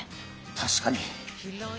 確かに。